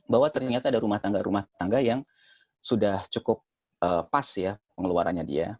bahwa ternyata ada rumah tangga rumah tangga yang sudah cukup pas ya pengeluarannya dia